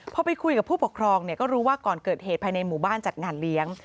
พอไปคุยกับผู้ปกครองก็รู้ว่าก่อนเกิดเหตุภายในหมู่บ้านจัดงานเลี้ยง